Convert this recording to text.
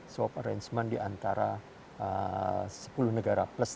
swap arrangement diantara sepuluh tahun kemudian kita multilateral